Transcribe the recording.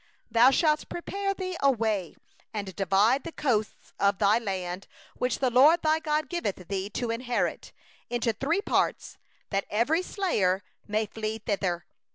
3Thou shalt prepare thee the way, and divide the borders of thy land, which the LORD thy God causeth thee to inherit, into three parts, that every manslayer may flee thither.